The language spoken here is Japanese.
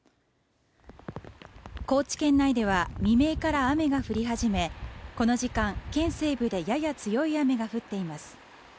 高知県内では未明から雨が降り始めこの時間県西部でやや強い雨が降っています